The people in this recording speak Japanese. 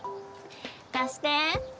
貸して。